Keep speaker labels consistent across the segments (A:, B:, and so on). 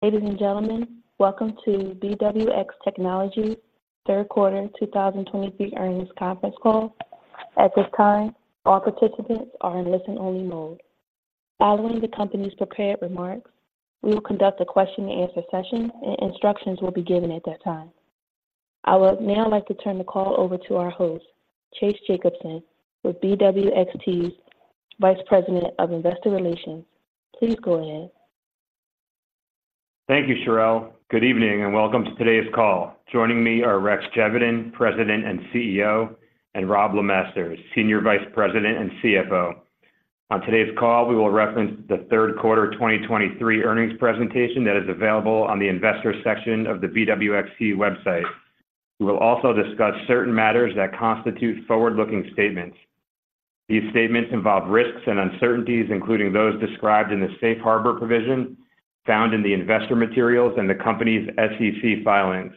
A: Ladies and gentlemen, welcome to BWX Technologies third quarter 2023 earnings conference call. At this time, all participants are in listen-only mode. Following the company's prepared remarks, we will conduct a question-and-answer session, and instructions will be given at that time. I would now like to turn the call over to our host, Chase Jacobson, BWXT's Vice President of Investor Relations. Please go ahead.
B: Thank you, Cherelle. Good evening and welcome to today's call. Joining me are Rex Geveden, President and CEO, and Robb LeMasters, Senior Vice President and CFO. On today's call, we will reference the third quarter 2023 earnings presentation that is available on the investor section of the BWXT website. We will also discuss certain matters that constitute forward-looking statements. These statements involve risks and uncertainties, including those described in the Safe Harbor provision found in the investor materials and the company's SEC filings.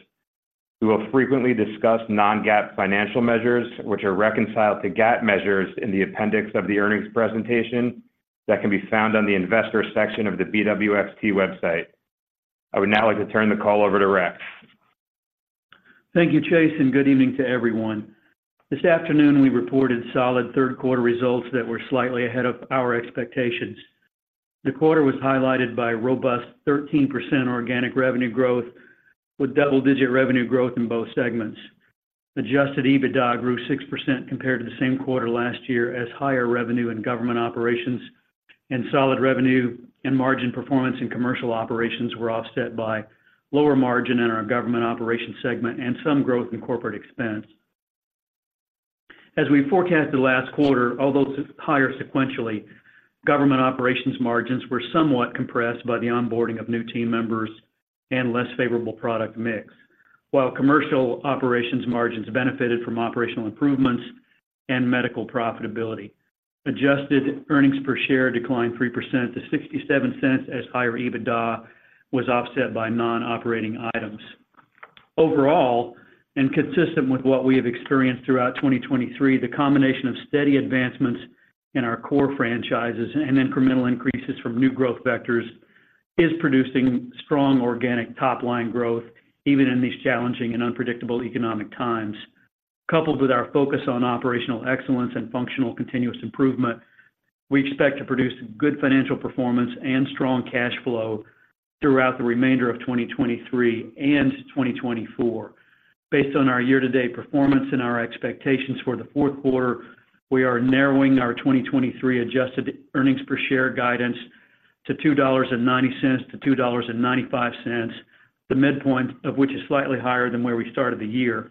B: We will frequently discuss non-GAAP financial measures, which are reconciled to GAAP measures in the appendix of the earnings presentation that can be found on the investor section of the BWXT website. I would now like to turn the call over to Rex.
C: Thank you, Chase, and good evening to everyone. This afternoon, we reported solid third quarter results that were slightly ahead of our expectations. The quarter was highlighted by robust 13% organic revenue growth, with double-digit revenue growth in both segments. Adjusted EBITDA grew 6% compared to the same quarter last year, as higher revenue Government Operations and solid revenue and margin performance in Commercial Operations were offset by lower margin in Government Operations segment and some growth in corporate expense. As we forecasted last quarter, although higher Government Operations margins were somewhat compressed by the onboarding of new team members and less favorable product mix, while Commercial Operations margins benefited from operational improvements and Medical profitability. Adjusted earnings per share declined 3% to $0.67, as higher EBITDA was offset by non-operating items. Overall, and consistent with what we have experienced throughout 2023, the combination of steady advancements in our core franchises and incremental increases from new growth vectors is producing strong organic top-line growth, even in these challenging and unpredictable economic times. Coupled with our focus on operational excellence and functional continuous improvement, we expect to produce good financial performance and strong cash flow throughout the remainder of 2023 and 2024. Based on our year-to-date performance and our expectations for the fourth quarter, we are narrowing our 2023 adjusted earnings per share guidance to $2.90-$2.95, the midpoint of which is slightly higher than where we started the year.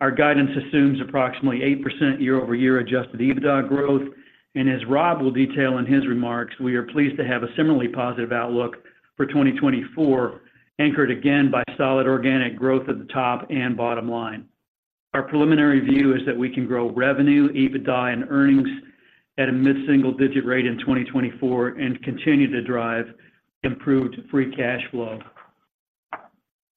C: Our guidance assumes approximately 8% year-over-year adjusted EBITDA growth, and as Rob will detail in his remarks, we are pleased to have a similarly positive outlook for 2024, anchored again by solid organic growth at the top and bottom line. Our preliminary view is that we can grow revenue, EBITDA, and earnings at a mid-single-digit rate in 2024 and continue to drive improved free cash flow.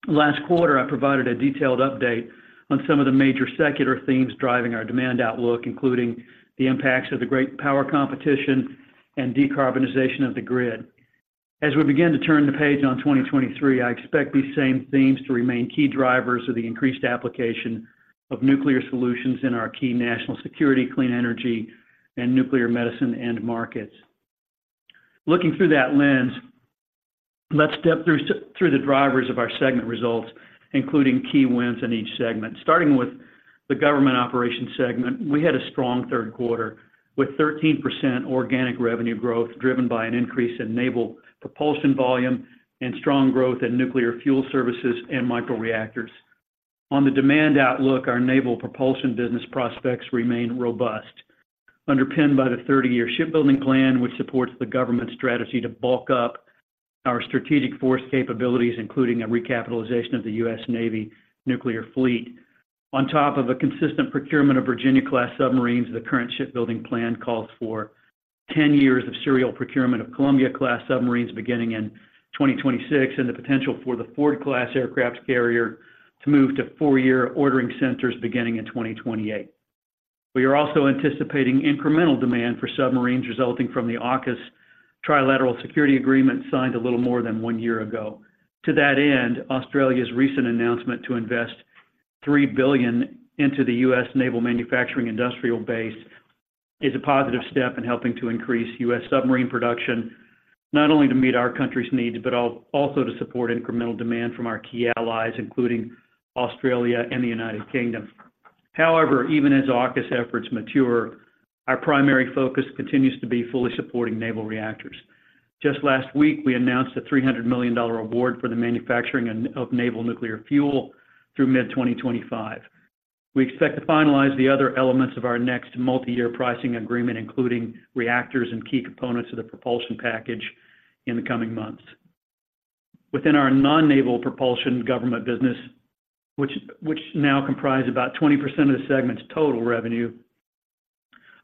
C: Last quarter, I provided a detailed update on some of the major secular themes driving our demand outlook, including the impacts of the great power competition and decarbonization of the grid. As we begin to turn the page on 2023, I expect these same themes to remain key drivers of the increased application of nuclear solutions in our key national security, clean energy, and nuclear medicine end markets. Looking through that lens, let's step through the drivers of our segment results, including key wins in each segment. Starting with Government Operations segment, we had a strong third quarter with 13% organic revenue growth driven by an increase in naval propulsion volume and strong growth in nuclear fuel services and microreactors. On the demand outlook, our naval propulsion business prospects remain robust, underpinned by the 30-year shipbuilding plan, which supports the government's strategy to bulk up our strategic force capabilities, including a recapitalization of the U.S. Navy nuclear fleet. On top of a consistent procurement of Virginia-class submarines, the current shipbuilding plan calls for 10 years of serial procurement of Columbia-class submarines beginning in 2026 and the potential for the Ford-class aircraft carrier to move to four-year ordering centers beginning in 2028. We are also anticipating incremental demand for submarines resulting from the AUKUS trilateral security agreement signed a little more than 1 year ago. To that end, Australia's recent announcement to invest $3 billion into the U.S. naval manufacturing industrial base is a positive step in helping to increase U.S. submarine production, not only to meet our country's needs but also to support incremental demand from our key allies, including Australia and the United Kingdom. However, even as AUKUS efforts mature, our primary focus continues to be fully supporting naval reactors. Just last week, we announced a $300 million award for the manufacturing of naval nuclear fuel through mid-2025. We expect to finalize the other elements of our next multi-year pricing agreement, including reactors and key components of the propulsion package, in the coming months. Within our non-naval propulsion government business, which now comprises about 20% of the segment's total revenue,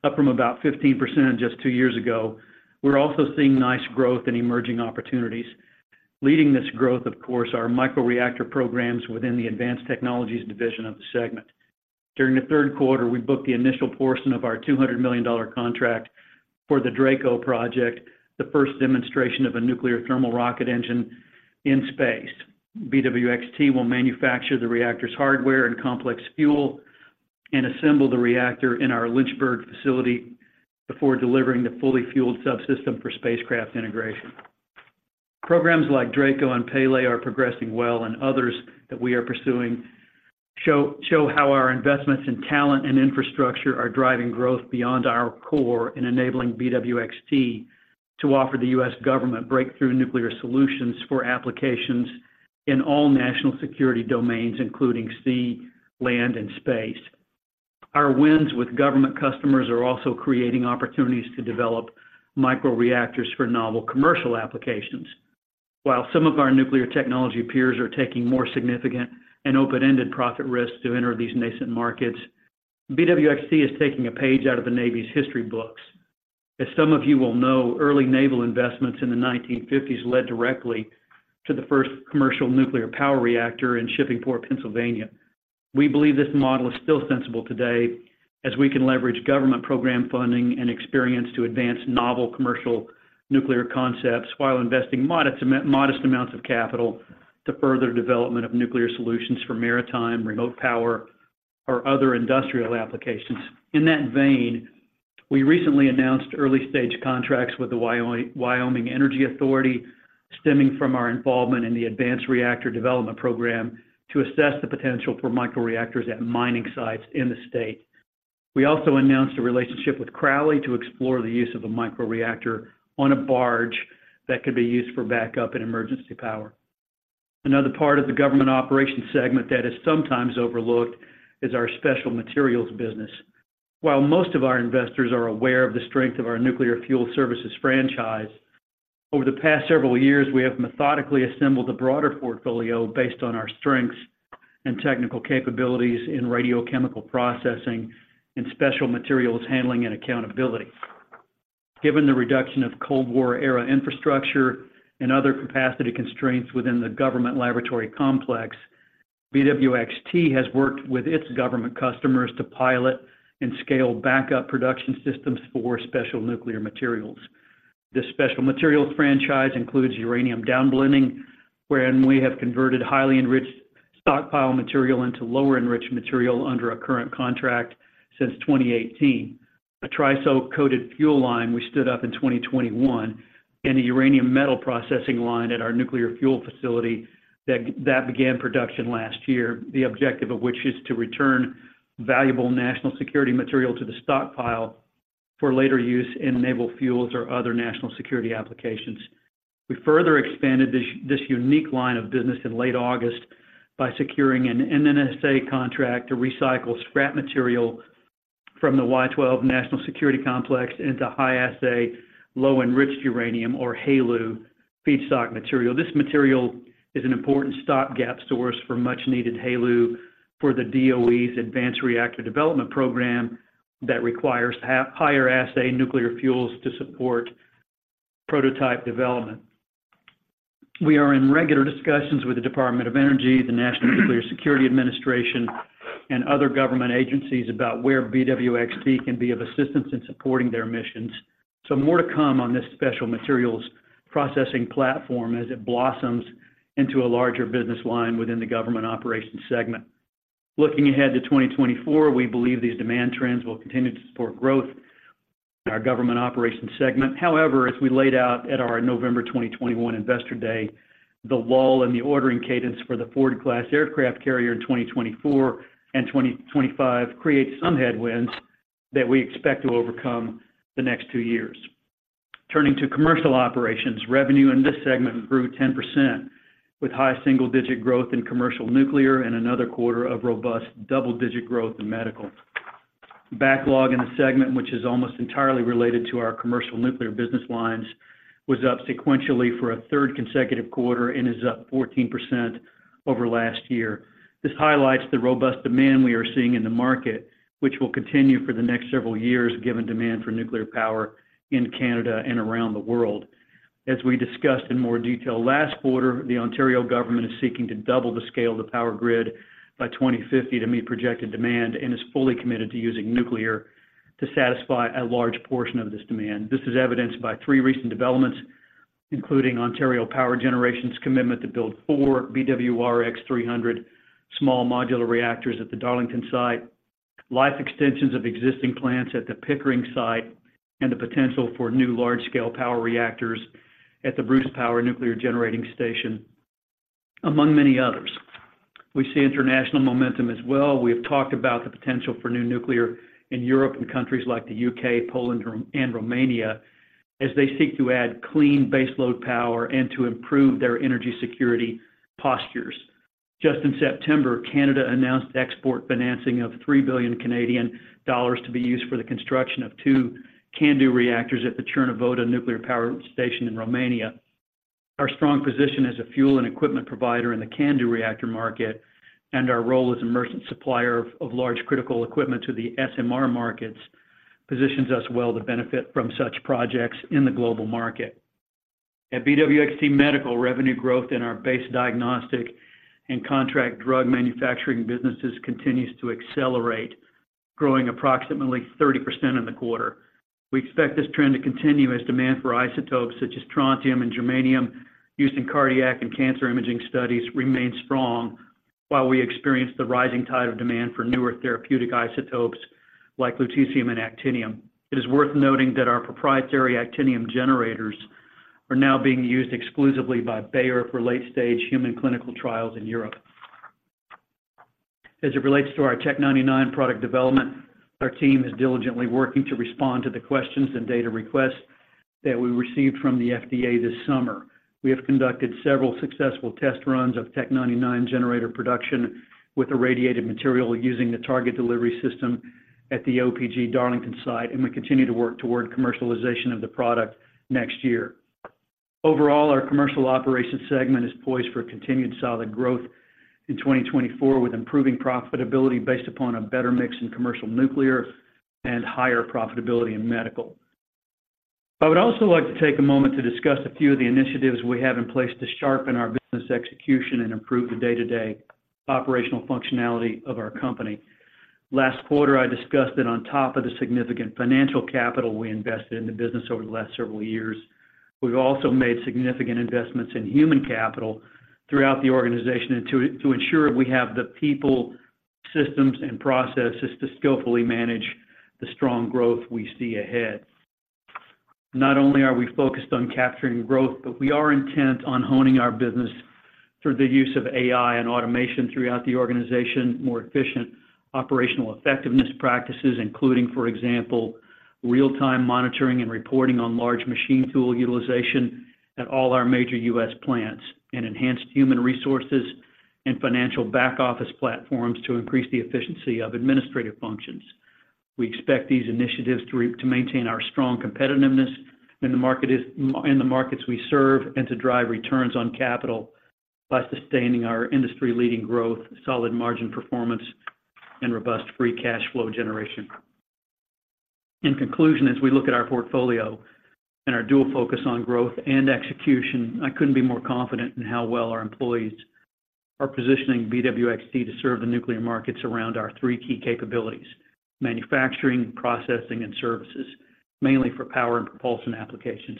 C: up from about 15% just two years ago, we're also seeing nice growth in emerging opportunities. Leading this growth, of course, are microreactor programs within the Advanced Technologies division of the segment. During the third quarter, we booked the initial portion of our $200 million contract for the DRACO project, the first demonstration of a nuclear thermal rocket engine in space. BWXT will manufacture the reactor's hardware and complex fuel and assemble the reactor in our Lynchburg facility before delivering the fully fueled subsystem for spacecraft integration. Programs like DRACO and Pele are progressing well, and others that we are pursuing show how our investments in talent and infrastructure are driving growth beyond our core and enabling BWXT to offer the U.S. government breakthrough nuclear solutions for applications in all national security domains, including sea, land, and space. Our wins with government customers are also creating opportunities to develop microreactors for naval commercial applications. While some of our nuclear technology peers are taking more significant and open-ended profit risks to enter these nascent markets, BWXT is taking a page out of the Navy's history books. As some of you will know, early naval investments in the 1950s led directly to the commercial nuclear power reactor in Shippingport, Pennsylvania. We believe this model is still sensible today, as we can leverage government program funding and experience to advance commercial nuclear concepts while investing modest amounts of capital to further development of nuclear solutions for maritime, remote power, or other industrial applications. In that vein, we recently announced early-stage contracts with the Wyoming Energy Authority, stemming from our involvement in the Advanced Reactor Development Program to assess the potential for microreactors at mining sites in the state. We also announced a relationship with Crowley to explore the use of a microreactor on a barge that could be used for backup and emergency power. Another part of Government Operations segment that is sometimes overlooked is our special materials business. While most of our investors are aware of the strength of our Nuclear Fuel Services franchise, over the past several years, we have methodically assembled a broader portfolio based on our strengths and technical capabilities in radiochemical processing and special materials handling and accountability. Given the reduction of Cold War-era infrastructure and other capacity constraints within the government laboratory complex, BWXT has worked with its government customers to pilot and scale backup production systems for special nuclear materials. This special materials franchise includes uranium downblending, wherein we have converted highly enriched stockpile material into lower enriched material under a current contract since 2018. A TRISO-coated fuel line we stood up in 2021. And a uranium metal processing line at our nuclear fuel facility that began production last year, the objective of which is to return valuable national security material to the stockpile for later use in naval fuels or other national security applications. We further expanded this unique line of business in late August by securing an NNSA contract to recycle scrap material from the Y-12 National Security Complex into High-Assay Low-Enriched Uranium, or HALEU, feedstock material. This material is an important stopgap source for much-needed HALEU for the DOE's Advanced Reactor Development Program that requires higher-assay nuclear fuels to support prototype development. We are in regular discussions with the Department of Energy, the National Nuclear Security Administration, and other government agencies about where BWXT can be of assistance in supporting their missions. More to come on this special materials processing platform as it blossoms into a larger business line within Government Operations segment. Looking ahead to 2024, we believe these demand trends will continue to support growth in Government Operations segment. However, as we laid out at our November 2021 investor day, the lull in the ordering cadence for the Ford-class aircraft carrier in 2024 and 2025 creates some headwinds that we expect to overcome the next two years. Turning to Commercial Operations, revenue in this segment grew 10% with high single-digit growth commercial nuclear and another quarter of robust double-digit growth in Medical. Backlog in the segment, which is almost entirely related to commercial nuclear business lines, was up sequentially for a third consecutive quarter and is up 14% over last year. This highlights the robust demand we are seeing in the market, which will continue for the next several years given demand for nuclear power in Canada and around the world. As we discussed in more detail last quarter, the Ontario government is seeking to double the scale of the power grid by 2050 to meet projected demand and is fully committed to using nuclear to satisfy a large portion of this demand. This is evidenced by three recent developments, including Ontario Power Generation's commitment to build four BWRX-300 small modular reactors at the Darlington site, life extensions of existing plants at the Pickering site, and the potential for new large-scale power reactors at the Bruce Power Nuclear Generating Station, among many others. We see international momentum as well. We have talked about the potential for new nuclear in Europe and countries like the U.K., Poland, and Romania as they seek to add clean baseload power and to improve their energy security postures. Just in September, Canada announced export financing of $3 billion to be used for the construction of two CANDU reactors at the Cernavodă Nuclear Power Station in Romania. Our strong position as a fuel and equipment provider in the CANDU reactor market and our role as emergent supplier of large critical equipment to the SMR markets positions us well to benefit from such projects in the global market. At BWXT Medical, revenue growth in our base diagnostic and contract drug manufacturing businesses continues to accelerate, growing approximately 30% in the quarter. We expect this trend to continue as demand for isotopes such as strontium and germanium used in cardiac and cancer imaging studies remains strong while we experience the rising tide of demand for newer therapeutic isotopes like lutetium and actinium. It is worth noting that our proprietary actinium generators are now being used exclusively by Bayer for late-stage human clinical trials in Europe. As it relates to our Tc-99m product development, our team is diligently working to respond to the questions and data requests that we received from the FDA this summer. We have conducted several successful test runs of Tc-99m generator production with an irradiated material using the target delivery system at the OPG Darlington site, and we continue to work toward commercialization of the product next year. Overall, our Commercial Operations segment is poised for continued solid growth in 2024 with improving profitability based upon a better mix commercial nuclear and higher profitability in Medical. I would also like to take a moment to discuss a few of the initiatives we have in place to sharpen our business execution and improve the day-to-day operational functionality of our company. Last quarter, I discussed that on top of the significant financial capital we invested in the business over the last several years, we've also made significant investments in human capital throughout the organization to ensure we have the people, systems, and processes to skillfully manage the strong growth we see ahead. Not only are we focused on capturing growth, but we are intent on honing our business through the use of AI and automation throughout the organization, more efficient operational effectiveness practices, including, for example, real-time monitoring and reporting on large machine tool utilization at all our major U.S. plants, and enhanced human resources and financial back-office platforms to increase the efficiency of administrative functions. We expect these initiatives to maintain our strong competitiveness in the markets we serve and to drive returns on capital by sustaining our industry-leading growth, solid margin performance, and robust free cash flow generation. In conclusion, as we look at our portfolio and our dual focus on growth and execution, I couldn't be more confident in how well our employees are positioning BWXT to serve the nuclear markets around our three key capabilities: manufacturing, processing, and services, mainly for power and propulsion applications.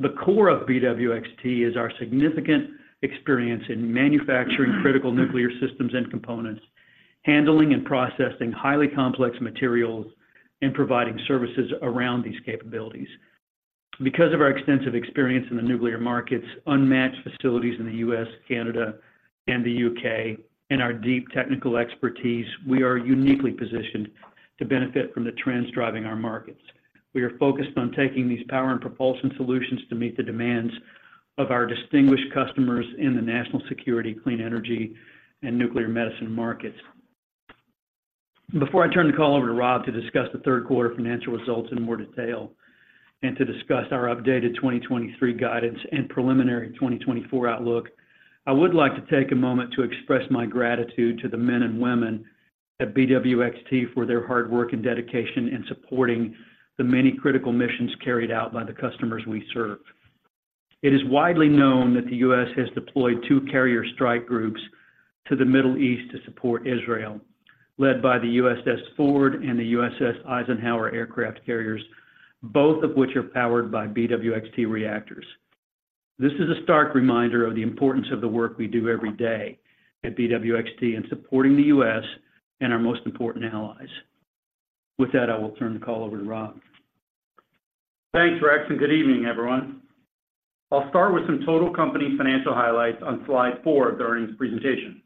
C: The core of BWXT is our significant experience in manufacturing critical nuclear systems and components, handling and processing highly complex materials, and providing services around these capabilities. Because of our extensive experience in the nuclear markets, unmatched facilities in the U.S., Canada, and the U.K., and our deep technical expertise, we are uniquely positioned to benefit from the trends driving our markets. We are focused on taking these power and propulsion solutions to meet the demands of our distinguished customers in the national security, clean energy, and nuclear medicine markets. Before I turn the call over to Robb to discuss the third quarter financial results in more detail and to discuss our updated 2023 guidance and preliminary 2024 outlook, I would like to take a moment to express my gratitude to the men and women at BWXT for their hard work and dedication in supporting the many critical missions carried out by the customers we serve. It is widely known that the U.S. has deployed two carrier strike groups to the Middle East to support Israel, led by the USS Ford and the USS Eisenhower aircraft carriers, both of which are powered by BWXT reactors. This is a stark reminder of the importance of the work we do every day at BWXT in supporting the U.S. and our most important allies. With that, I will turn the call over to Robb.
D: Thanks, Rex, and good evening, everyone. I'll start with some total company financial highlights on slide 4 during this presentation.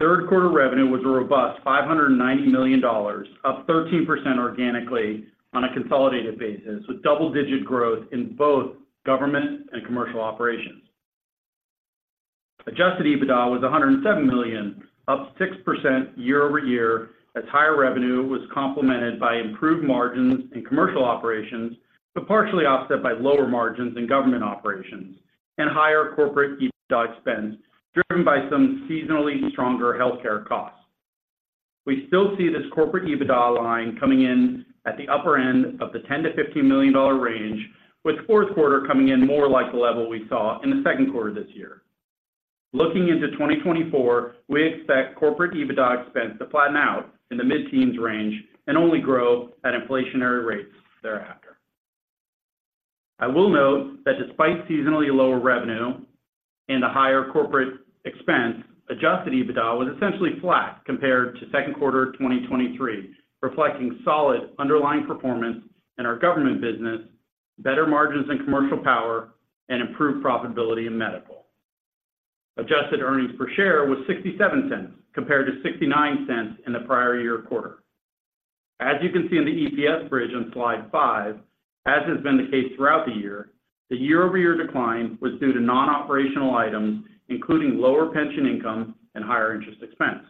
D: Third quarter revenue was a robust $590 million, up 13% organically on a consolidated basis, with double-digit growth in both Government and Commercial Operations. Adjusted EBITDA was $107 million, up 6% year-over-year as higher revenue was complemented by improved margins in Commercial Operations but partially offset by lower margins Government Operations and higher corporate EBITDA expense driven by some seasonally stronger healthcare costs. We still see this corporate EBITDA line coming in at the upper end of the $10 million-$15 million range, with fourth quarter coming in more like the level we saw in the second quarter this year. Looking into 2024, we expect corporate EBITDA expense to flatten out in the mid-teens range and only grow at inflationary rates thereafter. I will note that despite seasonally lower revenue and the higher corporate expense, adjusted EBITDA was essentially flat compared to second quarter 2023, reflecting solid underlying performance in our government business, better margins in commercial power, and improved profitability in Medical. Adjusted earnings per share was $0.67 compared to $0.69 in the prior year quarter. As you can see in the EPS bridge on slide 5, as has been the case throughout the year, the year-over-year decline was due to non-operational items, including lower pension income and higher interest expense.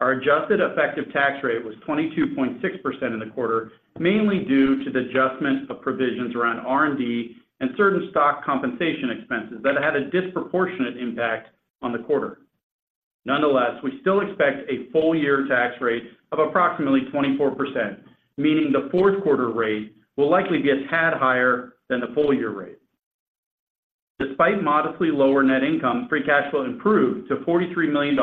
D: Our adjusted effective tax rate was 22.6% in the quarter, mainly due to the adjustment of provisions around R&D and certain stock compensation expenses that had a disproportionate impact on the quarter. Nonetheless, we still expect a full-year tax rate of approximately 24%, meaning the fourth quarter rate will likely be a tad higher than the full-year rate. Despite modestly lower net income, free cash flow improved to $43 million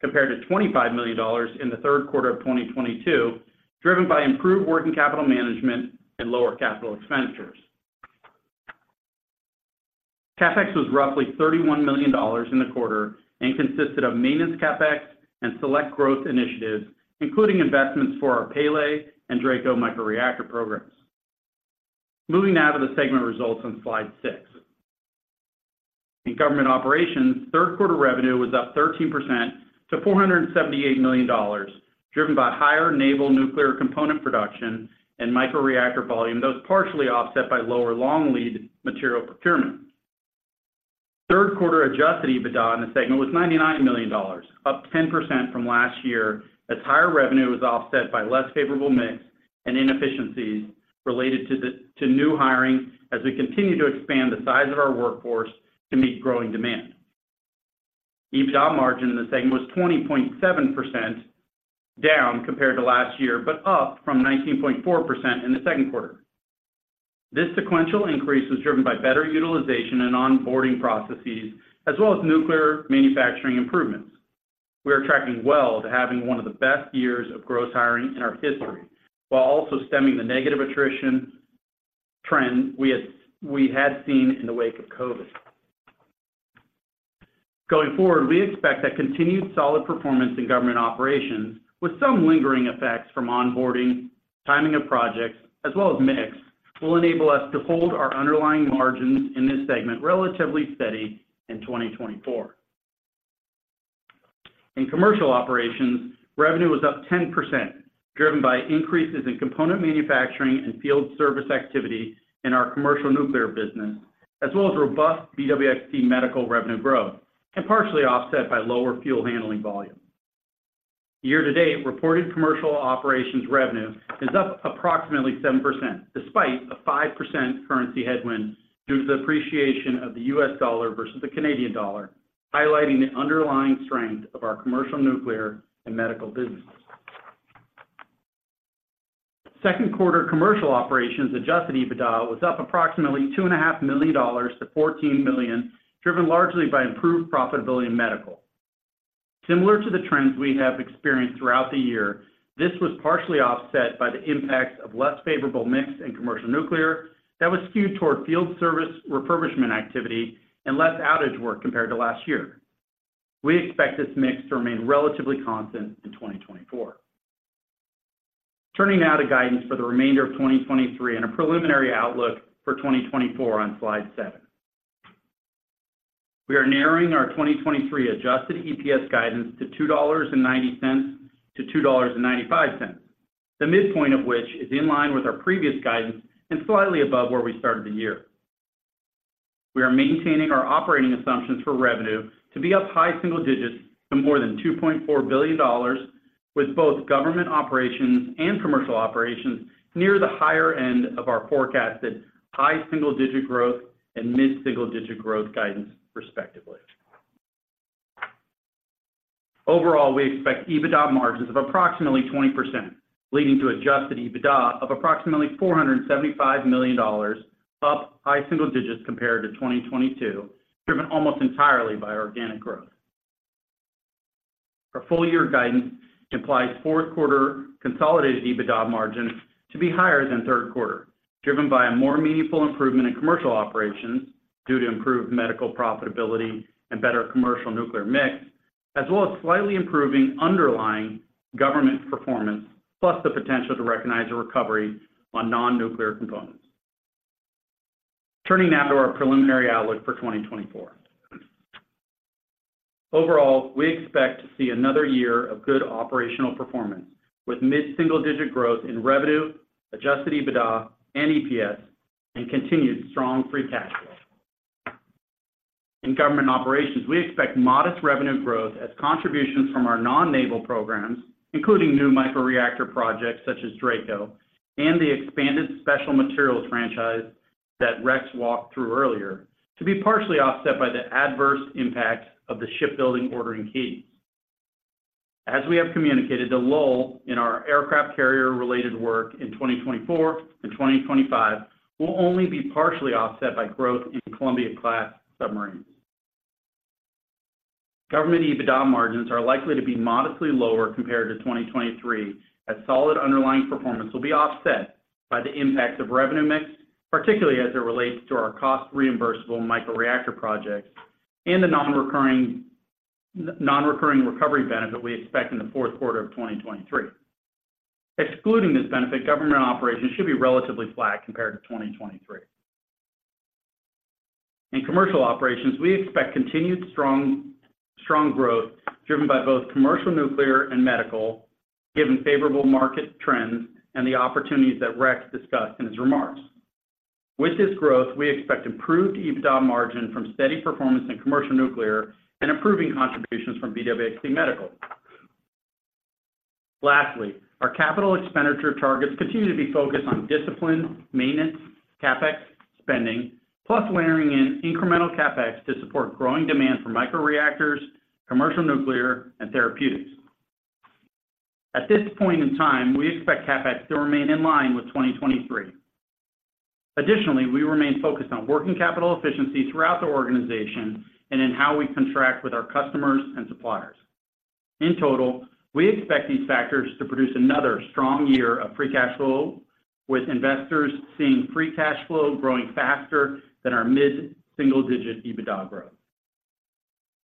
D: compared to $25 million in the third quarter of 2022, driven by improved working capital management and lower capital expenditures. CapEx was roughly $31 million in the quarter and consisted of maintenance CapEx and select growth initiatives, including investments for our Pele and DRACO microreactor programs. Moving now to the segment results on slide 6. Government Operations, third quarter revenue was up 13% to $478 million, driven by higher naval nuclear component production and microreactor volume, though partially offset by lower long lead material procurement. Third quarter adjusted EBITDA in the segment was $99 million, up 10% from last year as higher revenue was offset by less favorable mix and inefficiencies related to new hiring as we continue to expand the size of our workforce to meet growing demand. EBITDA margin in the segment was 20.7% down compared to last year but up from 19.4% in the second quarter. This sequential increase was driven by better utilization and onboarding processes as well as nuclear manufacturing improvements. We are tracking well to having one of the best years of gross hiring in our history while also stemming the negative attrition trend we had seen in the wake of COVID. Going forward, we expect that continued solid performance Government Operations, with some lingering effects from onboarding, timing of projects, as well as mix, will enable us to hold our underlying margins in this segment relatively steady in 2024. In Commercial Operations, revenue was up 10% driven by increases in component manufacturing and field service activity in commercial nuclear business, as well as robust BWXT Medical revenue growth and partially offset by lower fuel handling volume. Year to date, reported Commercial Operations revenue is up approximately 7% despite a 5% currency headwind due to the appreciation of the U.S. dollar versus the Canadian dollar, highlighting the underlying strength of commercial nuclear and Medical businesses. Second quarter Commercial Operations Adjusted EBITDA was up approximately $2.5 million to $14 million, driven largely by improved profitability in Medical. Similar to the trends we have experienced throughout the year, this was partially offset by the impacts of less favorable mix commercial nuclear that was skewed toward field service refurbishment activity and less outage work compared to last year. We expect this mix to remain relatively constant in 2024. Turning now to guidance for the remainder of 2023 and a preliminary outlook for 2024 on slide 7. We are narrowing our 2023 adjusted EPS guidance to $2.90-$2.95, the midpoint of which is in line with our previous guidance and slightly above where we started the year. We are maintaining our operating assumptions for revenue to be up high single digits to more than $2.4 billion, with Government Operations and Commercial Operations near the higher end of our forecasted high single digit growth and mid single digit growth guidance, respectively. Overall, we expect EBITDA margins of approximately 20%, leading to Adjusted EBITDA of approximately $475 million, up high single digits compared to 2022, driven almost entirely by organic growth. Our full-year guidance implies fourth quarter consolidated EBITDA margins to be higher than third quarter, driven by a more meaningful improvement in Commercial Operations due to improved Medical profitability and commercial nuclear mix, as well as slightly improving underlying government performance plus the potential to recognize a recovery on non-nuclear components. Turning now to our preliminary outlook for 2024. Overall, we expect to see another year of good operational performance with mid single digit growth in revenue, adjusted EBITDA, and EPS, and continued strong free cash flow. Government Operations, we expect modest revenue growth as contributions from our non-naval programs, including new microreactor projects such as DRACO and the expanded special materials franchise that Rex walked through earlier, to be partially offset by the adverse impact of the shipbuilding ordering cadence. As we have communicated, the lull in our aircraft carrier-related work in 2024 and 2025 will only be partially offset by growth in Columbia-class submarines. Government EBITDA margins are likely to be modestly lower compared to 2023 as solid underlying performance will be offset by the impacts of revenue mix, particularly as it relates to our cost-reimbursable microreactor projects and the non-recurring recovery benefit we expect in the fourth quarter of 2023. Excluding this Government Operations should be relatively flat compared to 2023. In Commercial Operations, we expect continued strong growth driven by commercial nuclear and Medical, given favorable market trends and the opportunities that Rex discussed in his remarks. With this growth, we expect improved EBITDA margin from steady performance commercial nuclear and improving contributions from BWXT Medical. Lastly, our capital expenditure targets continue to be focused on discipline, maintenance, CapEx spending, plus layering in incremental CapEx to support growing demand for commercial nuclear, and therapeutics. At this point in time, we expect CapEx to remain in line with 2023. Additionally, we remain focused on working capital efficiency throughout the organization and in how we contract with our customers and suppliers. In total, we expect these factors to produce another strong year of free cash flow, with investors seeing free cash flow growing faster than our mid single digit EBITDA growth.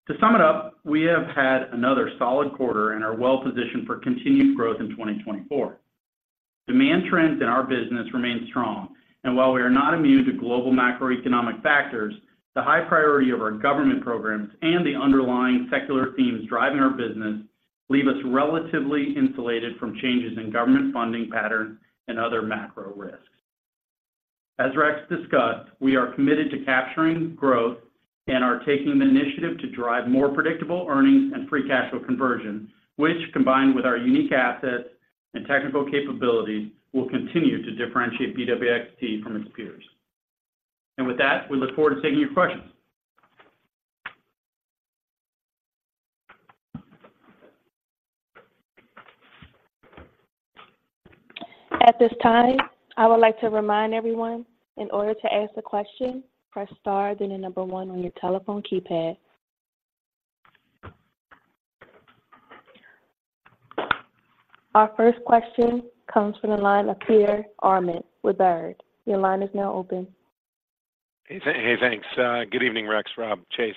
D: To sum it up, we have had another solid quarter and are well positioned for continued growth in 2024. Demand trends in our business remain strong, and while we are not immune to global macroeconomic factors, the high priority of our government programs and the underlying secular themes driving our business leave us relatively insulated from changes in government funding patterns and other macro risks. As Rex discussed, we are committed to capturing growth and are taking the initiative to drive more predictable earnings and free cash flow conversion, which, combined with our unique assets and technical capabilities, will continue to differentiate BWXT from its peers. And with that, we look forward to taking your questions.
A: At this time, I would like to remind everyone, in order to ask a question, press star then the number one on your telephone keypad. Our first question comes from the line of Peter Arment with Baird. Your line is now open.
E: Hey, thanks. Good evening, Rex, Robb, Chase.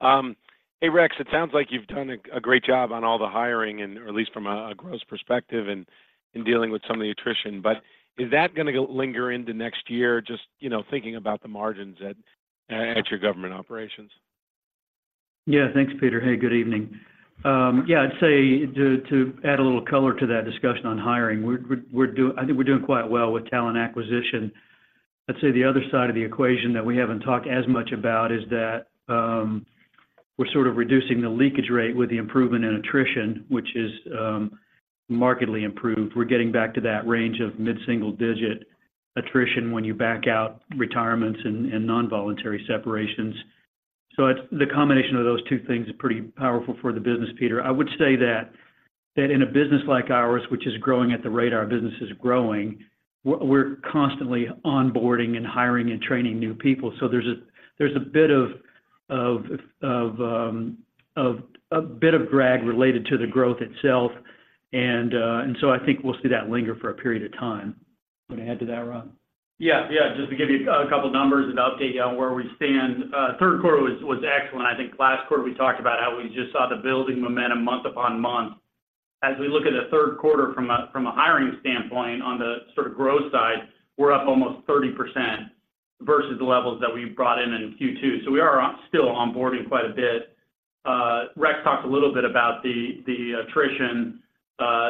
E: Hey, Rex, it sounds like you've done a great job on all the hiring, at least from a gross perspective, and dealing with some of the attrition. But is that going to linger into next year, just thinking about the margins at Government Operations?
C: Yeah, thanks, Peter. Hey, good evening. Yeah, I'd say to add a little color to that discussion on hiring, I think we're doing quite well with talent acquisition. I'd say the other side of the equation that we haven't talked as much about is that we're sort of reducing the leakage rate with the improvement in attrition, which is markedly improved. We're getting back to that range of mid single digit attrition when you back out retirements and non-voluntary separations. So the combination of those two things is pretty powerful for the business, Peter. I would say that in a business like ours, which is growing at the rate our business is growing, we're constantly onboarding and hiring and training new people. So there's a bit of drag related to the growth itself. And so I think we'll see that linger for a period of time. You want to add to that, Robb?
D: Yeah, yeah. Just to give you a couple of numbers and update you on where we stand. Third quarter was excellent. I think last quarter we talked about how we just saw the building momentum month upon month. As we look at the third quarter from a hiring standpoint on the sort of growth side, we're up almost 30% versus the levels that we brought in in Q2. So we are still onboarding quite a bit. Rex talked a little bit about the attrition.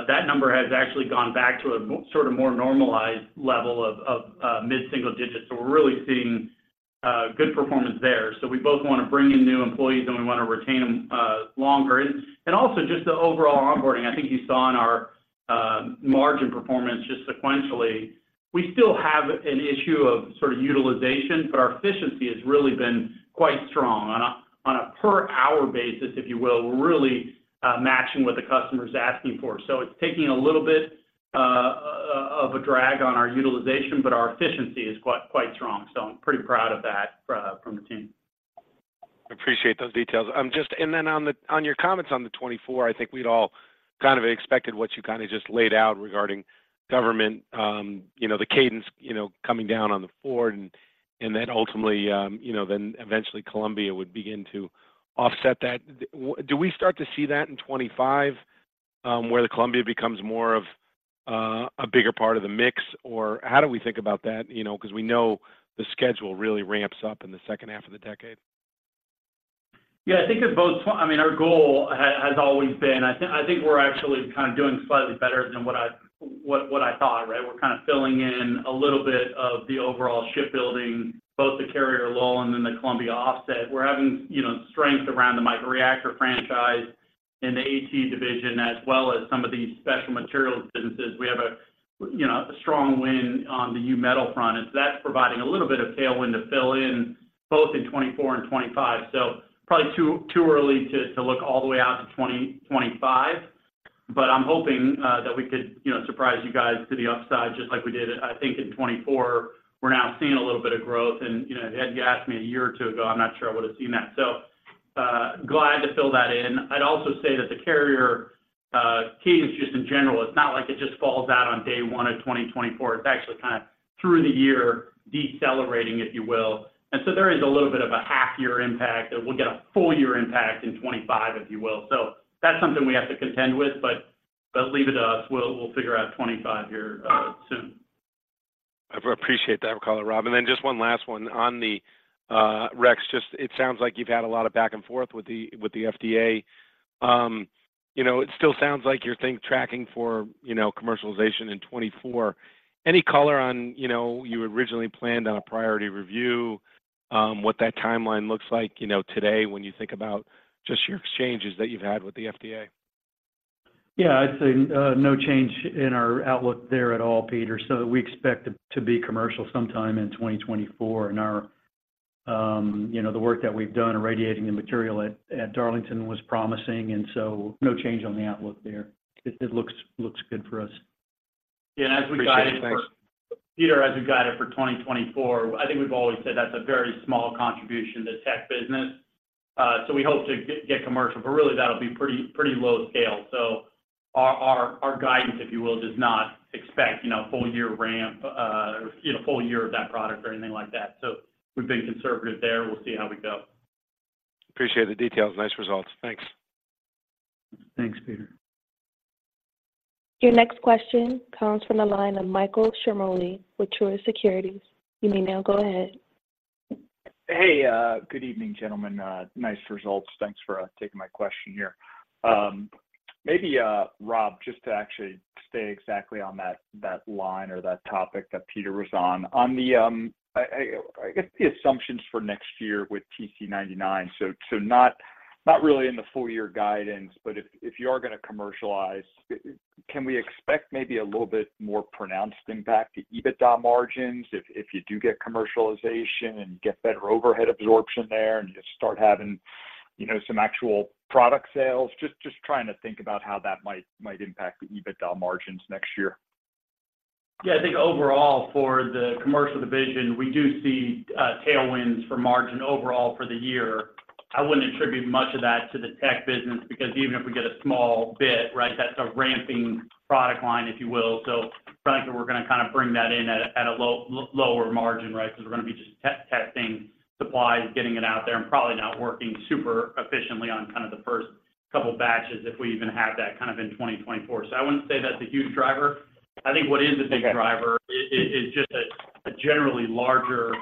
D: That number has actually gone back to a sort of more normalized level of mid-single-digit. So we're really seeing good performance there. So we both want to bring in new employees, and we want to retain them longer. Also just the overall onboarding, I think you saw in our margin performance just sequentially. We still have an issue of sort of utilization, but our efficiency has really been quite strong. On a per-hour basis, if you will, we're really matching what the customer's asking for. So it's taking a little bit of a drag on our utilization, but our efficiency is quite strong. So I'm pretty proud of that from the team. Appreciate those details.
E: And then on your comments on the 2024, I think we'd all kind of expected what you kind of just laid out regarding government, the cadence coming down on the Ford, and then ultimately, then eventually Columbia would begin to offset that. Do we start to see that in 2025 where the Columbia becomes more of a bigger part of the mix, or how do we think about that? Because we know the schedule really ramps up in the second half of the decade.
D: Yeah, I think of both. I mean, our goal has always been I think we're actually kind of doing slightly better than what I thought, right? We're kind of filling in a little bit of the overall shipbuilding, both the carrier lull and then the Columbia offset. We're having strength around the microreactor franchise and the AT division as well as some of these special materials businesses. We have a strong win on the U-metal front. So that's providing a little bit of tailwind to fill in both in 2024 and 2025. So probably too early to look all the way out to 2025. But I'm hoping that we could surprise you guys to the upside just like we did, I think, in 2024. We're now seeing a little bit of growth. And had you asked me a year or two ago, I'm not sure I would have seen that. So glad to fill that in. I'd also say that the carrier cadence, just in general, it's not like it just falls out on day one of 2024. It's actually kind of through the year decelerating, if you will. So there is a little bit of a half-year impact that we'll get a full-year impact in 2025, if you will. So that's something we have to contend with, but leave it to us. We'll figure out 2025 here soon.
E: I appreciate that color, Robb. And then just one last one. Rex, it sounds like you've had a lot of back and forth with the FDA. It still sounds like you're tracking for commercialization in 2024. Any color on you originally planned on a priority review, what that timeline looks like today when you think about just your exchanges that you've had with the FDA?
C: Yeah, I'd say no change in our outlook there at all, Peter. So we expect to be commercial sometime in 2024. And the work that we've done irradiating the material at Darlington was promising. And so no change on the outlook there. It looks good for us.
D: Yeah, and as we guide it for Peter, as we guide it for 2024, I think we've always said that's a very small contribution, the tech business. So we hope to get commercial. But really, that'll be pretty low scale. So our guidance, if you will, does not expect full-year ramp or full year of that product or anything like that. So we've been conservative there. We'll see how we go.
E: Appreciate the details. Nice results. Thanks.
D: Thanks, Peter.
A: Your next question comes from the line of Michael Ciarmoli with Truist Securities. You may now go ahead.
F: Hey, good evening, gentlemen. Nice results. Thanks for taking my question here. Maybe, Robb, just to actually stay exactly on that line or that topic that Peter was on, I guess the assumptions for next year with Tc-99m, so not really in the full-year guidance, but if you are going to commercialize, can we expect maybe a little bit more pronounced impact to EBITDA margins if you do get commercialization and you get better overhead absorption there and you start having some actual product sales? Just trying to think about how that might impact the EBITDA margins next year.
D: Yeah, I think overall for the Commercial division, we do see tailwinds for margin overall for the year. I wouldn't attribute much of that to the tech business because even if we get a small bit, right, that's a ramping product line, if you will. So frankly, we're going to kind of bring that in at a lower margin, right, because we're going to be just testing supplies, getting it out there, and probably not working super efficiently on kind of the first couple batches if we even have that kind of in 2024. So I wouldn't say that's a huge driver. I think what is a big driver is just a generally larger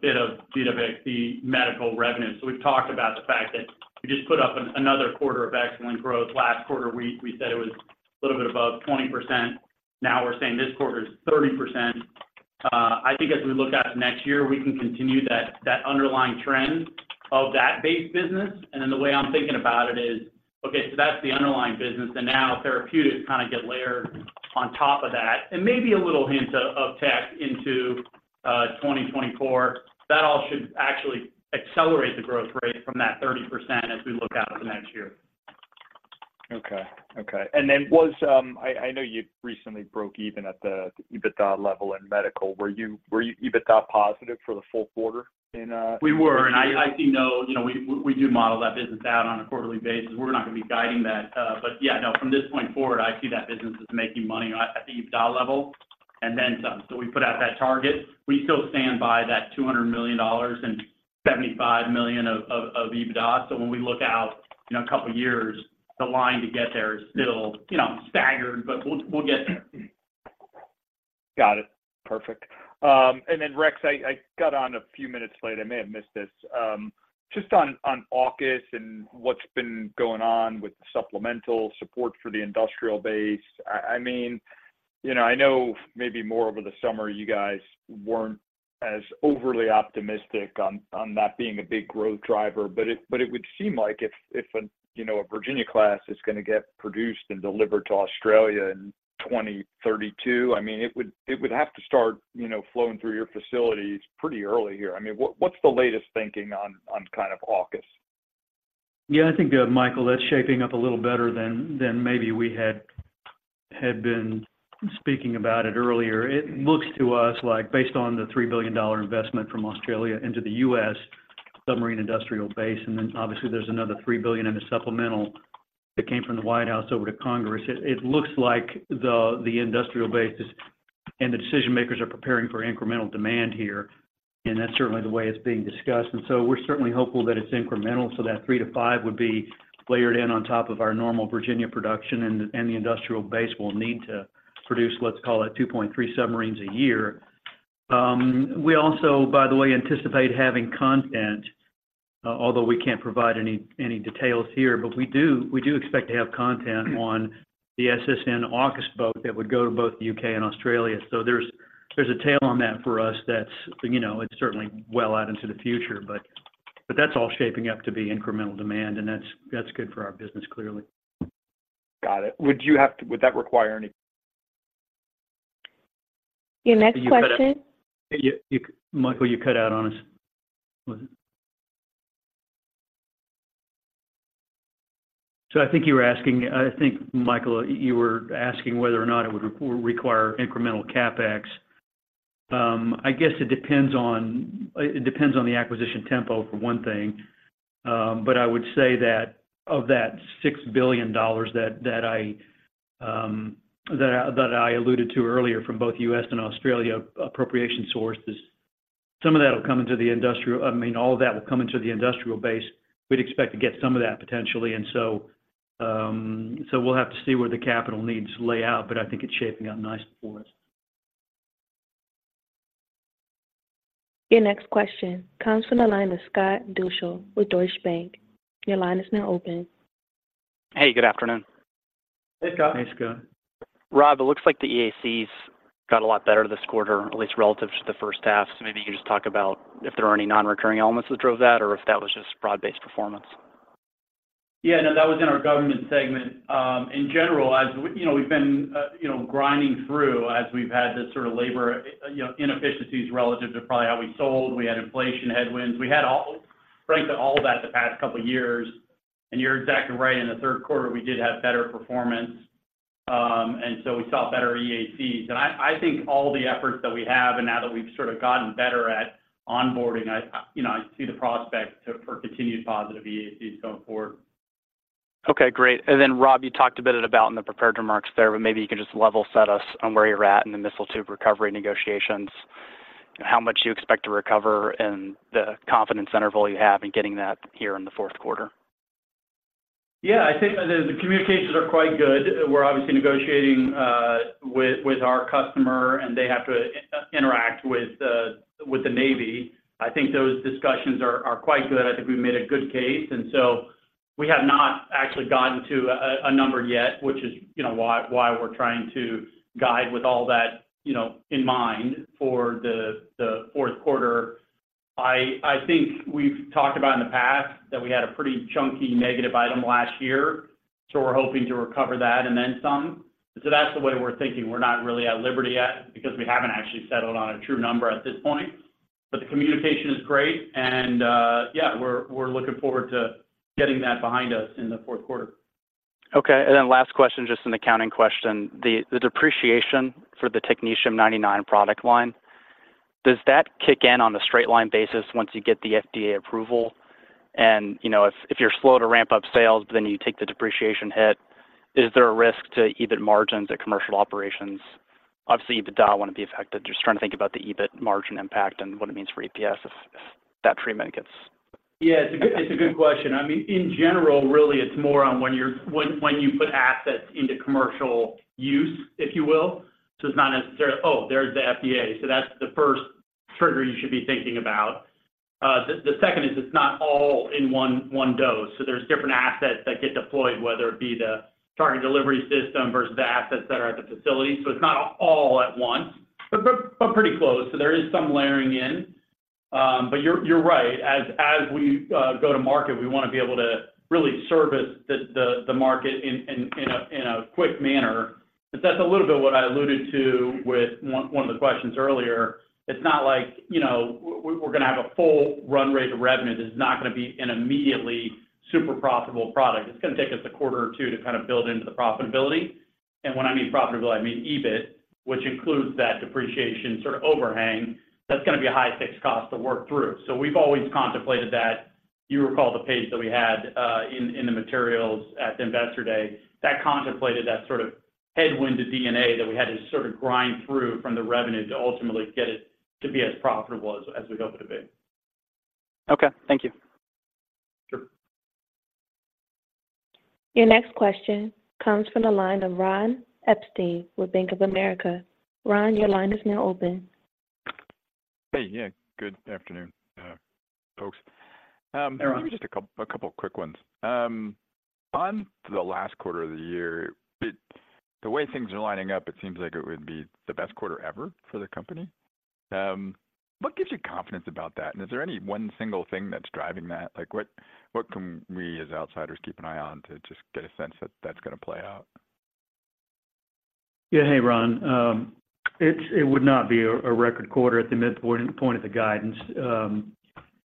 D: bit of BWXT Medical revenue. So we've talked about the fact that we just put up another quarter of excellent growth. Last quarter, we said it was a little bit above 20%. Now we're saying this quarter is 30%. I think as we look at next year, we can continue that underlying trend of that base business. And then the way I'm thinking about it is, okay, so that's the underlying business. And now therapeutics kind of get layered on top of that and maybe a little hint of tech into 2024. That all should actually accelerate the growth rate from that 30% as we look out to next year.
F: Okay, okay. And then I know you recently broke even at the EBITDA level in Medical. Were you EBITDA positive for the full quarter in?
D: We were. And I see no, we do model that business out on a quarterly basis. We're not going to be guiding that. But yeah, no, from this point forward, I see that business as making money at the EBITDA level and then some. So we put out that target. We still stand by that $200 million and $75 million of EBITDA. So when we look out a couple of years, the line to get there is still staggered, but we'll get there.
F: Got it. Perfect. And then, Rex, I got on a few minutes late. I may have missed this. Just on AUKUS and what's been going on with the supplemental support for the industrial base, I mean, I know maybe more over the summer, you guys weren't as overly optimistic on that being a big growth driver. But it would seem like if a Virginia-class is going to get produced and delivered to Australia in 2032, I mean, it would have to start flowing through your facilities pretty early here. I mean, what's the latest thinking on kind of AUKUS?
C: Yeah, I think, Michael, that's shaping up a little better than maybe we had been speaking about it earlier. It looks to us like, based on the $3 billion investment from Australia into the U.S. submarine industrial base, and then obviously, there's another $3 billion in the supplemental that came from the White House over to Congress, it looks like the industrial base and the decision makers are preparing for incremental demand here. And that's certainly the way it's being discussed. And so we're certainly hopeful that it's incremental. So that 3-5 would be layered in on top of our normal Virginia production, and the industrial base will need to produce, let's call it, 2.3 submarines a year. We also, by the way, anticipate having content, although we can't provide any details here. But we do expect to have content on the SSN-AUKUS boat that would go to both the U.K. and Australia. So there's a tail on that for us. That's certainly well out into the future. But that's all shaping up to be incremental demand. And that's good for our business, clearly.
F: Got it. Would that require any?
A: Your next question?
C: Michael, you cut out on us. So I think you were asking, Michael, whether or not it would require incremental CapEx. I guess it depends on the acquisition tempo, for one thing. But I would say that of that $6 billion that I alluded to earlier from both U.S. and Australia appropriation sources, some of that will come into the industrial—I mean, all of that will come into the industrial base. We'd expect to get some of that potentially. And so we'll have to see where the capital needs lay out. But I think it's shaping up nice for us.
A: Your next question comes from the line of Scott Deuschle with Deutsche Bank. Your line is now open.
G: Hey, good afternoon.
D: Hey, Scott.
C: Hey, Scott.
G: Robb, it looks like the EACs got a lot better this quarter, at least relative to the first half. So maybe you could just talk about if there were any non-recurring elements that drove that or if that was just broad-based performance.
D: Yeah, no, that was in our Government segment. In general, as we've been grinding through, as we've had this sort of labor inefficiencies relative to probably how we sold, we had inflation headwinds. We had, frankly, all that the past couple of years. And you're exactly right. In the third quarter, we did have better performance. And so we saw better EACs. And I think all the efforts that we have and now that we've sort of gotten better at onboarding, I see the prospect for continued positive EACs going forward.
G: Okay, great. And then, Robb, you talked a bit about in the prepared remarks there, but maybe you could just level set us on where you're at in the missile tube recovery negotiations, how much you expect to recover and the confidence interval you have in getting that here in the fourth quarter.
D: Yeah, I think the communications are quite good. We're obviously negotiating with our customer, and they have to interact with the Navy. I think those discussions are quite good. I think we've made a good case. And so we have not actually gotten to a number yet, which is why we're trying to guide with all that in mind for the fourth quarter. I think we've talked about in the past that we had a pretty chunky negative item last year. So we're hoping to recover that and then some. So that's the way we're thinking. We're not really at liberty yet because we haven't actually settled on a true number at this point. But the communication is great. And yeah, we're looking forward to getting that behind us in the fourth quarter.
G: Okay. And then last question, just an accounting question. The depreciation for the Technetium-99 product line, does that kick in on a straight-line basis once you get the FDA approval? And if you're slow to ramp up sales, but then you take the depreciation hit, is there a risk to EBIT margins at Commercial Operations? Obviously, EBITDA wouldn't be affected. Just trying to think about the EBIT margin impact and what it means for EPS if that treatment gets.
D: Yeah, it's a good question. I mean, in general, really, it's more on when you put assets into commercial use, if you will. So it's not necessarily, "Oh, there's the FDA." So that's the first trigger you should be thinking about. The second is it's not all in one dose. So there's different assets that get deployed, whether it be the target delivery system versus the assets that are at the facility. So it's not all at once, but pretty close. So there is some layering in. But you're right. As we go to market, we want to be able to really service the market in a quick manner. But that's a little bit what I alluded to with one of the questions earlier. It's not like we're going to have a full run rate of revenue. This is not going to be an immediately super profitable product. It's going to take us a quarter or two to kind of build into the profitability. And when I mean profitability, I mean EBIT, which includes that depreciation sort of overhang. That's going to be a high-fixed cost to work through. So we've always contemplated that. You recall the page that we had in the materials at the Investor Day that contemplated that sort of headwind to D&A that we had to sort of grind through from the revenue to ultimately get it to be as profitable as we hope it to be.
G: Okay. Thank you.
D: Sure.
A: Your next question comes from the line of Ron Epstein with Bank of America. Ron, your line is now open.
H: Hey, yeah. Good afternoon, folks.
C: Hey, Ron.
H: Give me just a couple of quick ones. On the last quarter of the year, the way things are lining up, it seems like it would be the best quarter ever for the company. What gives you confidence about that? And is there any one single thing that's driving that? What can we as outsiders keep an eye on to just get a sense that that's going to play out?
C: Yeah, hey, Ron. It would not be a record quarter at the midpoint of the guidance.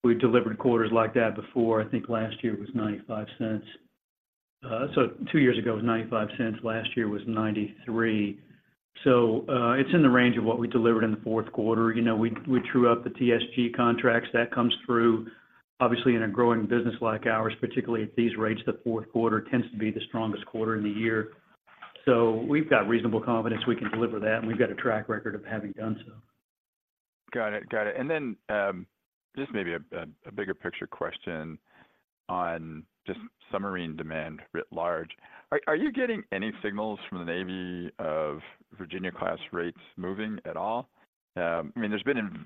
C: We've delivered quarters like that before. I think last year was $0.95. So two years ago, it was $0.95. Last year was $0.93. So it's in the range of what we delivered in the fourth quarter. We drew up the TSG contracts. That comes through. Obviously, in a growing business like ours, particularly at these rates, the fourth quarter tends to be the strongest quarter in the year. So we've got reasonable confidence we can deliver that. And we've got a track record of having done so.
H: Got it. Got it. And then just maybe a bigger picture question on just submarine demand writ large. Are you getting any signals from the Navy of Virginia-class rates moving at all? I mean, there's been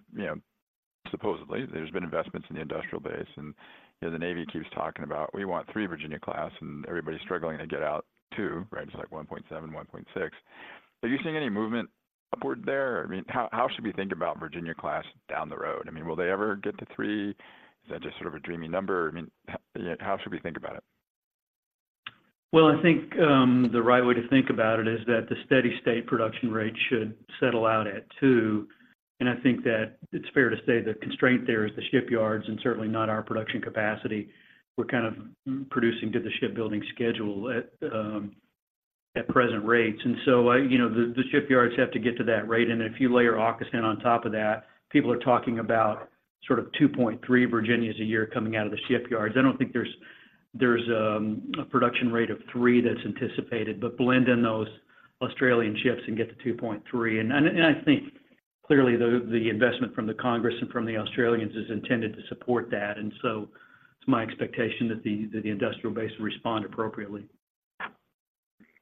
H: supposedly investments in the industrial base. And the Navy keeps talking about, "We want three Virginia-class," and everybody's struggling to get out two, right? It's like 1.7, 1.6. Are you seeing any movement upward there? I mean, how should we think about Virginia-class down the road? I mean, will they ever get to three? Is that just sort of a dreamy number? I mean, how should we think about it?
C: Well, I think the right way to think about it is that the steady-state production rate should settle out at 2. And I think that it's fair to say the constraint there is the shipyards and certainly not our production capacity. We're kind of producing to the shipbuilding schedule at present rates. And so the shipyards have to get to that rate. And then if you layer AUKUS on top of that, people are talking about sort of 2.3 Virginias a year coming out of the shipyards. I don't think there's a production rate of 3 that's anticipated. But blend in those Australian ships and get to 2.3. And I think, clearly, the investment from the Congress and from the Australians is intended to support that. And so it's my expectation that the industrial base will respond appropriately.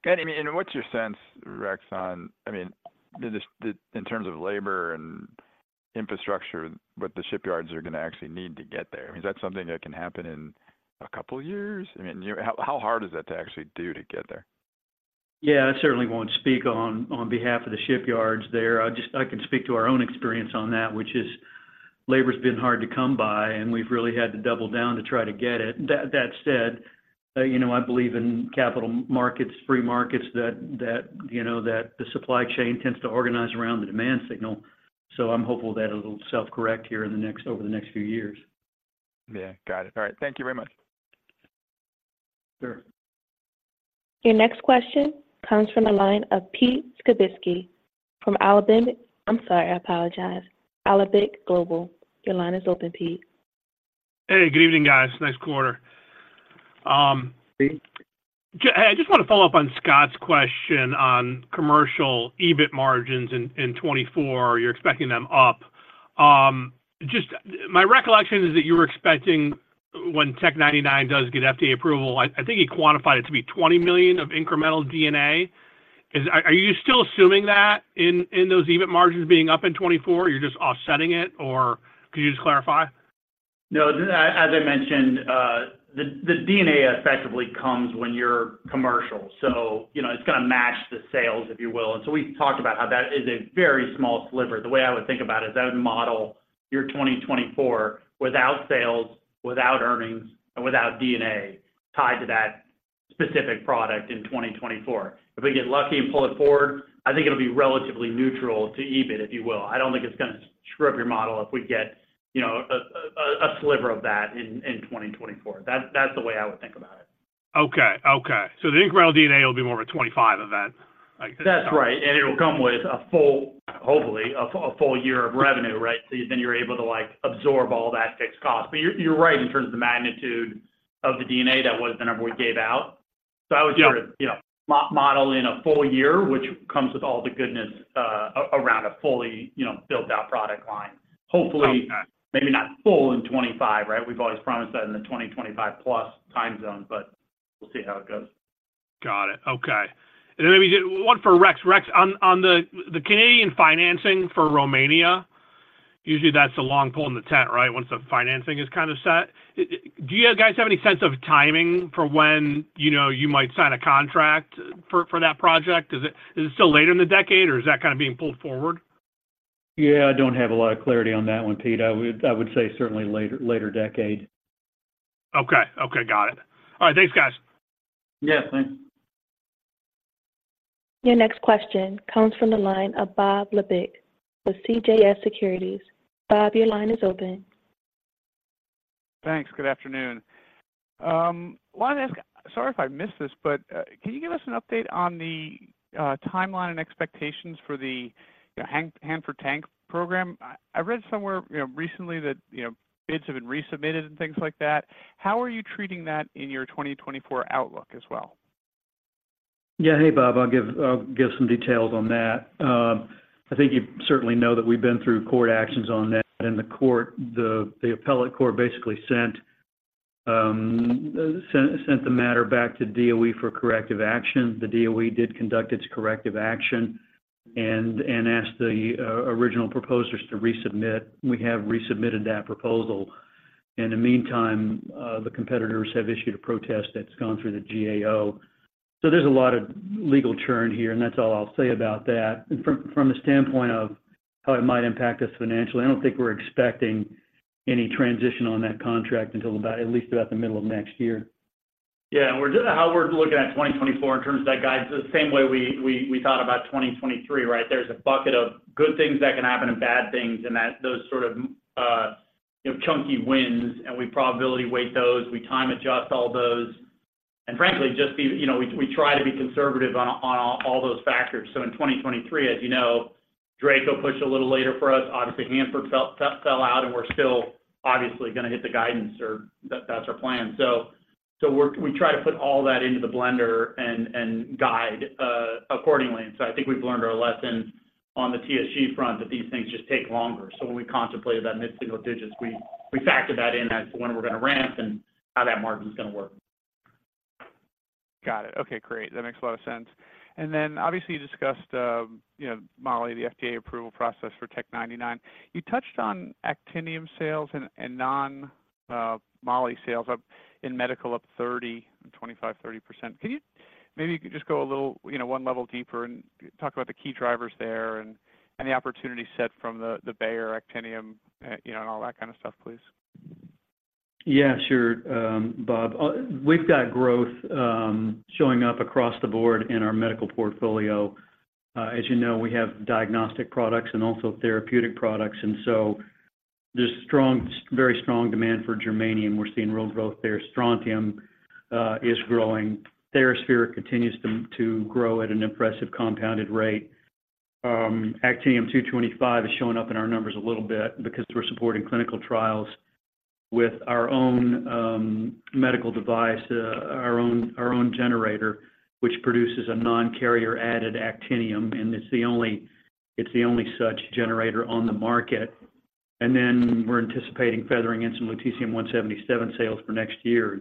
H: Got it. I mean, and what's your sense, Rex, on I mean, in terms of labor and infrastructure, what the shipyards are going to actually need to get there? I mean, is that something that can happen in a couple of years? I mean, how hard is that to actually do to get there?
C: Yeah, I certainly won't speak on behalf of the shipyards there. I can speak to our own experience on that, which is labor's been hard to come by, and we've really had to double down to try to get it. That said, I believe in capital markets, free markets, that the supply chain tends to organize around the demand signal. So I'm hopeful that it'll self-correct here over the next few years.
H: Yeah. Got it. All right. Thank you very much.
C: Sure.
A: Your next question comes from the line of Pete Skibitski from Alembic. I'm sorry. I apologize. Alembic Global. Your line is open, Pete.
I: Hey, good evening, guys. Nice quarter.
D: Pete?
I: Hey, I just want to follow up on Scott's question on Commercial EBIT margins in 2024. You're expecting them up. Just my recollection is that you were expecting when Tc-99m does get FDA approval, I think he quantified it to be $20 million of incremental EBITDA. Are you still assuming that in those EBIT margins being up in 2024? You're just offsetting it, or? Could you just clarify?
D: No, as I mentioned, the EBITDA effectively comes when you're commercial. So it's going to match the sales, if you will. And so we've talked about how that is a very small sliver. The way I would think about it is I would model your 2024 without sales, without earnings, and without EBITDA tied to that specific product in 2024. If we get lucky and pull it forward, I think it'll be relatively neutral to EBIT, if you will. I don't think it's going to screw up your model if we get a sliver of that in 2024. That's the way I would think about it.
I: Okay. Okay. So the incremental D&A will be more of a 2025 event.
D: That's right. And it'll come with a full hopefully, a full year of revenue, right? So then you're able to absorb all that fixed cost. But you're right in terms of the magnitude of the D&A that was the number we gave out. So I would sort of model in a full year, which comes with all the goodness around a fully built-out product line. Hopefully, maybe not full in 2025, right? We've always promised that in the 2025-plus time zone, but we'll see how it goes.
I: Got it. Okay. And then maybe one for Rex. Rex, on the Canadian financing for Romania, usually, that's a long pole in the tent, right, once the financing is kind of set. Do you guys have any sense of timing for when you might sign a contract for that project? Is it still later in the decade, or is that kind of being pulled forward?
C: Yeah, I don't have a lot of clarity on that one, Pete. I would say certainly later decade.
I: Okay. Okay. Got it. All right. Thanks, guys.
D: Yeah, thanks.
A: Your next question comes from the line of Bob Labick with CJS Securities. Bob, your line is open.
J: Thanks. Good afternoon. I want to ask sorry if I missed this, but can you give us an update on the timeline and expectations for the Hanford Tank program? I read somewhere recently that bids have been resubmitted and things like that. How are you treating that in your 2024 outlook as well?
C: Yeah, hey, Bob. I'll give some details on that. I think you certainly know that we've been through court actions on that. In the court, the appellate court basically sent the matter back to DOE for corrective action. The DOE did conduct its corrective action and asked the original proposers to resubmit. We have resubmitted that proposal. In the meantime, the competitors have issued a protest that's gone through the GAO. So there's a lot of legal churn here, and that's all I'll say about that. And from the standpoint of how it might impact us financially, I don't think we're expecting any transition on that contract until at least about the middle of next year.
D: Yeah. And how we're looking at 2024 in terms of that guidance is the same way we thought about 2023, right? There's a bucket of good things that can happen and bad things and those sort of chunky wins. We probability weight those. We time-adjust all those. Frankly, we try to be conservative on all those factors. In 2023, as you know, DRACO pushed a little later for us. Obviously, Hanford fell out, and we're still obviously going to hit the guidance, or that's our plan. We try to put all that into the blender and guide accordingly. I think we've learned our lesson on the TSG front that these things just take longer. When we contemplated that mid-single digits, we factored that in as when we're going to ramp and how that margin's going to work.
J: Got it. Okay. Great. That makes a lot of sense. Obviously, you discussed Moly, the FDA approval process for Tc-99m. You touched on Actinium sales and non-Moly sales. In Medical, up 30%, 25%, 30%. Can you maybe just go a little one level deeper and talk about the key drivers there and the opportunity set from the Bayer, Actinium, and all that kind of stuff, please?
C: Yeah, sure, Bob. We've got growth showing up across the board in our Medical portfolio. As you know, we have diagnostic products and also therapeutic products. There's very strong demand for germanium. We're seeing real growth there. Strontium is growing. TheraSphere continues to grow at an impressive compounded rate. Actinium-225 is showing up in our numbers a little bit because we're supporting clinical trials with our own medical device, our own generator, which produces a non-carrier-added Actinium. It's the only such generator on the market. We're anticipating feathering in some Lutetium-177 sales for next year.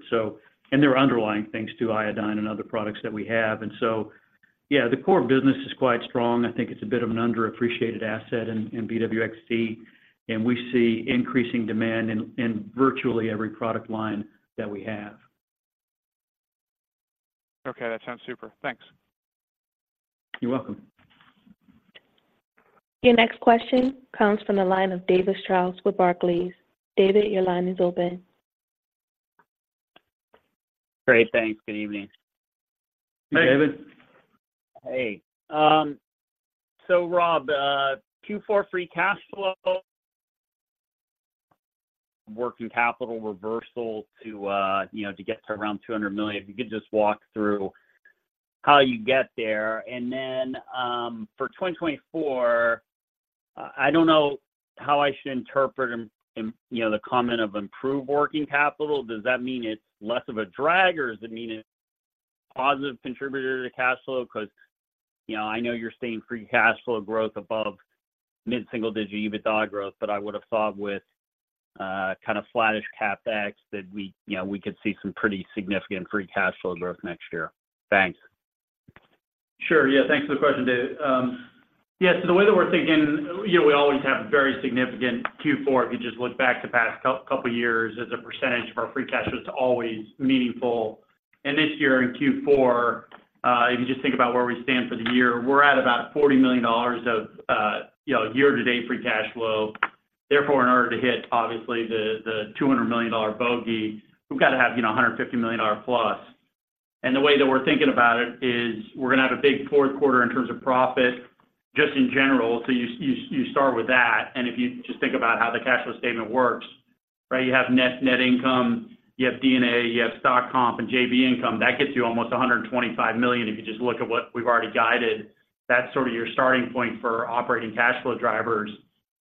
C: And there are underlying things too, iodine and other products that we have. And so yeah, the core business is quite strong. I think it's a bit of an underappreciated asset in BWXT. And we see increasing demand in virtually every product line that we have.
J: Okay. That sounds super. Thanks.
C: You're welcome.
A: Your next question comes from the line of David Strauss with Barclays. David, your line is open.
K: Great. Thanks. Good evening.
C: Hey, David.
K: Hey. So Robb, Q4 free cash flow, working capital reversal to get to around $200 million. If you could just walk through how you get there. And then for 2024, I don't know how I should interpret the comment of improve working capital. Does that mean it's less of a drag, or does it mean it's a positive contributor to cash flow? Because I know you're seeing free cash flow growth above mid-single digit EBITDA growth, but I would have thought with kind of flat-ish CapEx that we could see some pretty significant free cash flow growth next year. Thanks.
D: Sure. Yeah. Thanks for the question, David. Yeah. So the way that we're thinking, we always have very significant Q4. If you just look back to past couple of years, as a percentage of our free cash flow, it's always meaningful. And this year in Q4, if you just think about where we stand for the year, we're at about $40 million of year-to-date free cash flow. Therefore, in order to hit, obviously, the $200 million bogey, we've got to have $150 million+. And the way that we're thinking about it is we're going to have a big fourth quarter in terms of profit just in general. So you start with that. And if you just think about how the cash flow statement works, right, you have net income, you have D&A, you have stock comp, and JV income. That gets you almost $125 million if you just look at what we've already guided. That's sort of your starting point for operating cash flow drivers.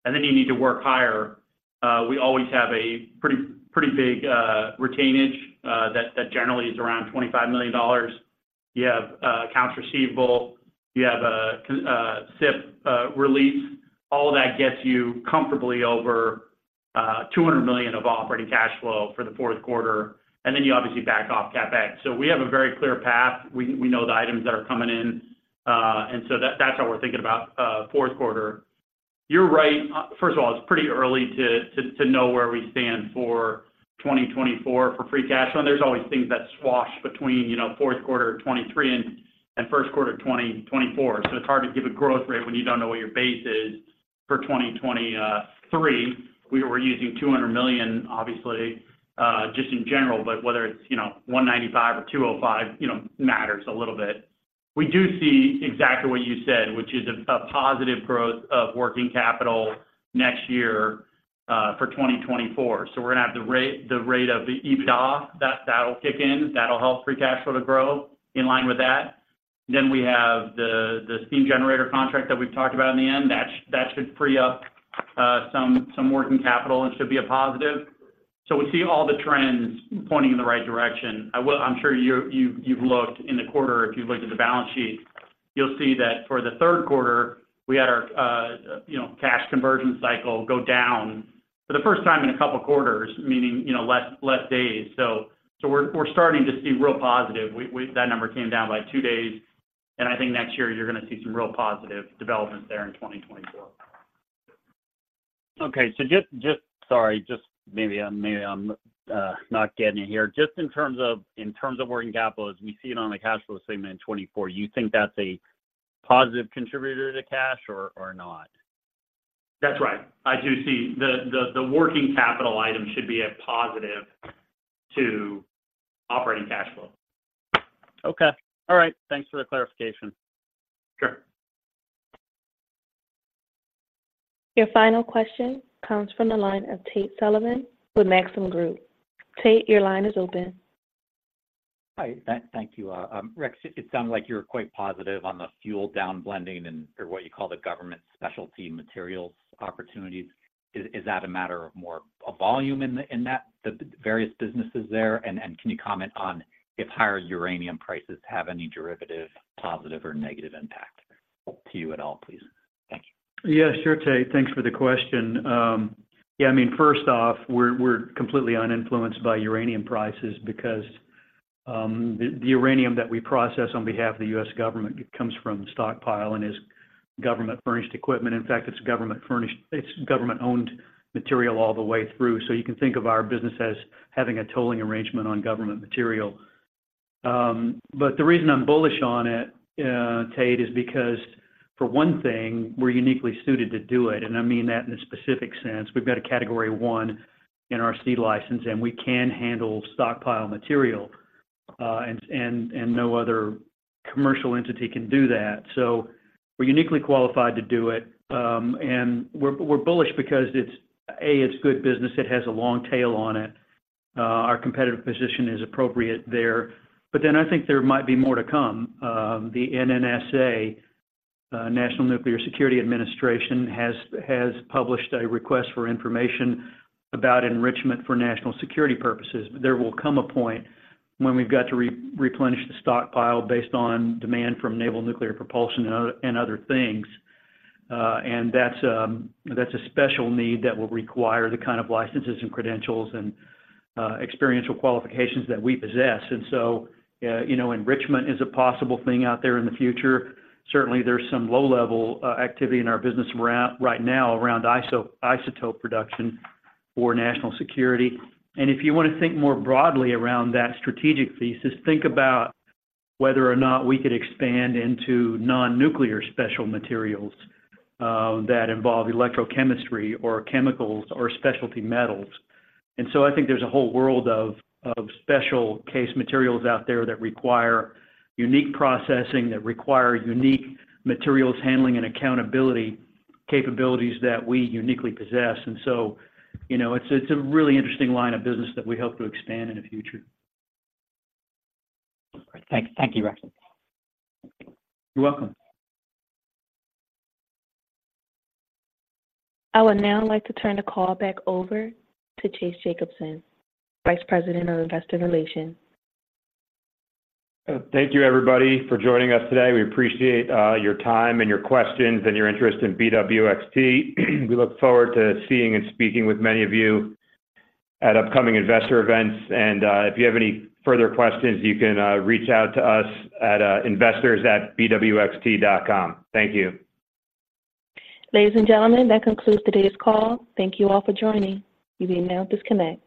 D: And then you need to work higher. We always have a pretty big retainage that generally is around $25 million. You have accounts receivable. You have a CIP release. All of that gets you comfortably over $200 million of operating cash flow for the fourth quarter. And then you obviously back off CapEx. So we have a very clear path. We know the items that are coming in. And so that's how we're thinking about fourth quarter. You're right. First of all, it's pretty early to know where we stand for 2024 for free cash flow. And there's always things that wash between fourth quarter 2023 and first quarter 2024. So it's hard to give a growth rate when you don't know what your base is for 2023. We're using $200 million, obviously, just in general. But whether it's $195 million or $205 million matters a little bit. We do see exactly what you said, which is a positive growth of working capital next year for 2024. So we're going to have the rate of the EBITDA. That'll kick in. That'll help free cash flow to grow in line with that. Then we have the steam generator contract that we've talked about in the end. That should free up some working capital and should be a positive. So we see all the trends pointing in the right direction. I'm sure you've looked in the quarter. If you've looked at the balance sheet, you'll see that for the third quarter, we had our cash conversion cycle go down for the first time in a couple of quarters, meaning less days. So we're starting to see real positive. That number came down by two days. And I think next year, you're going to see some real positive developments there in 2024.
K: Okay. So just sorry. Maybe I'm not getting you here. Just in terms of working capital, as we see it on the cash flow statement in 2024, you think that's a positive contributor to cash or not?
D: That's right. I do see the working capital item should be a positive to operating cash flow.
K: Okay. All right. Thanks for the clarification.
D: Sure.
A: Your final question comes from the line of Tate Sullivan with Maxim Group. Tate, your line is open.
L: Hi. Thank you, Rex. It sounded like you were quite positive on the fuel downblending or what you call the government specialty materials opportunities. Is that a matter of more volume in that, the various businesses there? And can you comment on if higher uranium prices have any derivative positive or negative impact to you at all, please? Thank you.
C: Yeah, sure, Tate. Thanks for the question. Yeah, I mean, first off, we're completely uninfluenced by uranium prices because the uranium that we process on behalf of the U.S. government comes from stockpile and is government-furnished equipment. In fact, it's government-furnished. It's government-owned material all the way through. So you can think of our business as having a tolling arrangement on government material. But the reason I'm bullish on it, Tate, is because, for one thing, we're uniquely suited to do it. And I mean that in a specific sense. We've got a Category I in our seed license, and we can handle stockpile material. And no other commercial entity can do that. So we're uniquely qualified to do it. And we're bullish because, A, it's good business. It has a long tail on it. Our competitive position is appropriate there. But then I think there might be more to come. The NNSA, National Nuclear Security Administration, has published a request for information about enrichment for national security purposes. But there will come a point when we've got to replenish the stockpile based on demand from naval nuclear propulsion and other things. And that's a special need that will require the kind of licenses and credentials and experiential qualifications that we possess. And so enrichment is a possible thing out there in the future. Certainly, there's some low-level activity in our business right now around isotope production for national security. And if you want to think more broadly around that strategic piece, just think about whether or not we could expand into non-nuclear special materials that involve electrochemistry or chemicals or specialty metals. And so I think there's a whole world of special-case materials out there that require unique processing, that require unique materials handling and accountability capabilities that we uniquely possess. And so it's a really interesting line of business that we hope to expand in the future.
L: Thank you, Rex.
C: You're welcome.
A: I would now like to turn the call back over to Chase Jacobson, Vice President of Investor Relations.
B: Thank you, everybody, for joining us today. We appreciate your time and your questions and your interest in BWXT. We look forward to seeing and speaking with many of you at upcoming investor events. If you have any further questions, you can reach out to us at investors@bwxt.com. Thank you. Ladies and gentlemen, that concludes today's call. Thank you all for joining. You may now disconnect.